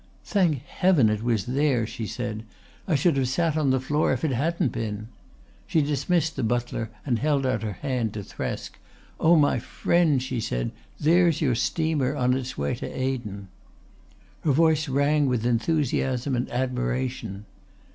"Thank Heaven it was there," she said. "I should have sat on the floor if it hadn't been." She dismissed the butler and held out her hand to Thresk. "Oh, my friend," she said, "there's your steamer on its way to Aden." Her voice rang with enthusiasm and admiration.